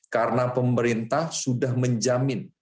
karena pemerintah sudah mencari penyelesaian